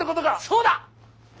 そうだ！